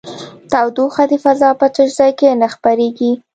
تودوخه د فضا په تش ځای کې نه خپرېږي.